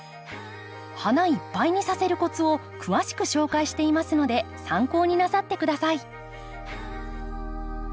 花いっぱいにさせるコツを詳しく紹介していますので参考になさって下さい。